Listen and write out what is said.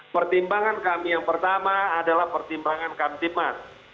pertimbangan kami yang pertama adalah pertimbangan kamtipmas